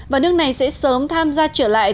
và nước này sẽ sớm tham gia trở lại